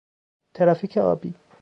ترافیک آبی